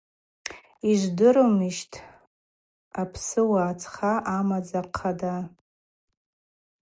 Йжвдырумищтӏ апсыуа цха амадза хъада?